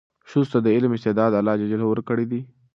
ښځو ته د علم استعداد الله ورکړی دی.